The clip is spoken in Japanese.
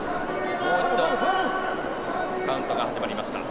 もう一度カウントが始まりました。